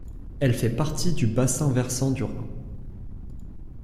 Elle fait partie du bassin versant du Rhin.